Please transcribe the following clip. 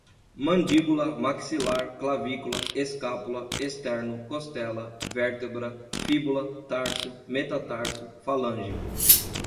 mandíbula, maxilar, clavícula, escápula, esterno, costela, vértebra, fíbula, tarso, metatarso, falange